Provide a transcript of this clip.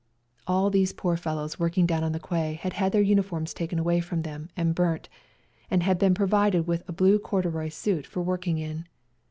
All these poor fellows working down on the quay had had their uniforms taken away from them and burnt, and had been provided with a blue corduroy suit for working in.